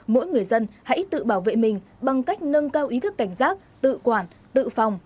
mỗi người dân hãy tự bảo vệ mình bằng cách nâng cao ý thức cảnh giác tự quản tự phòng